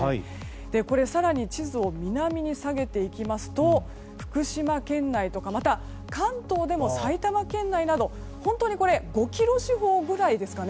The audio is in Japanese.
これ更に地図を南に下げていきますと福島県内とか関東でも埼玉県内など本当に５ｋｍ四方ぐらいですかね